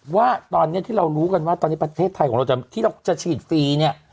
ว่าตอนนี้ที่เรารู้กันว่าตอนนี้ประเทศไทยของเราที่เราจะฉีดฟรีเนี่ย